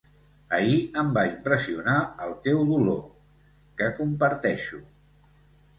Ahir em va impressionar el teu dolor, que comparteixo.